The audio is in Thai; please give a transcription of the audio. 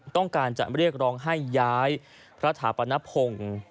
ต้องการจะเรียกร้องให้ย้ายพระถาปนพงศ์